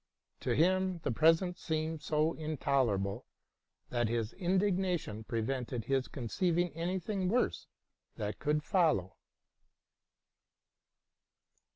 To him the present seemed so intolerable, that his indignation prevented his conceiving any thing worse that could follow.